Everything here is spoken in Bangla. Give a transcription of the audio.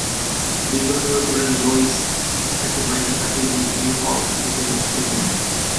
দীর্ঘ সময় পরে লাঈছ তাকে বাইরে পাঠিয়ে দিয়ে ইউহাওয়াকে ভেতরে ডেকে নেয়।